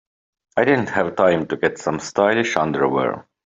I didn't have time to get some stylish underwear.